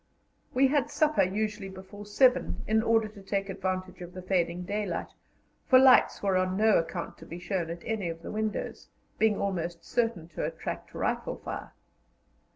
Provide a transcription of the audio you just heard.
We had supper usually before seven, in order to take advantage of the fading daylight, for lights were on no account to be shown at any of the windows, being almost certain to attract rifle fire.